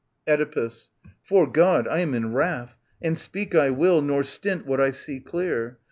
Oedipus. 'Fore God, I am in wrath ; and speak I will. Nor stint what I see clear.